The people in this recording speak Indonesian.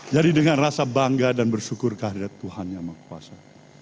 jadi dengan rasa bangga dan bersyukur karena tuhan yang mengkuasa